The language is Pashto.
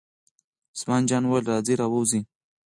عثمان جان وویل: راځئ را ووځئ.